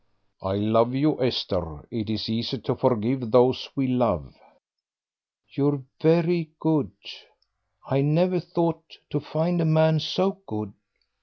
"I love you, Esther; it is easy to forgive those we love." "You're very good; I never thought to find a man so good."